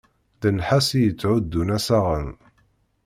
D nnḥas i yetthuddun assaɣen.